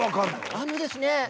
あのですね